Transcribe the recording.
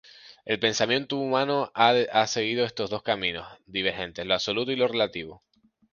El pensamiento humano ha seguido estos dos caminos divergentes: lo absoluto y lo relativo.